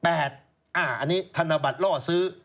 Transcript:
อันนี้ธนบัตรล่อซื้อ